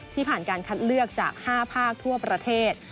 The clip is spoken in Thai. ผ่านการคัดเลือกจาก๕ภาคทั่วประเทศ